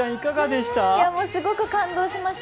すごく感動しました。